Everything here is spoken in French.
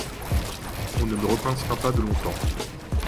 On ne me repincera pas de longtemps.